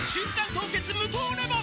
凍結無糖レモン」